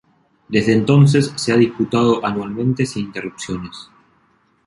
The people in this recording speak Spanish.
Desde entonces, se ha disputado anualmente sin interrupciones.